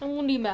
tengah nih mbak